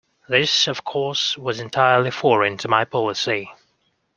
This, of course, was entirely foreign to my policy.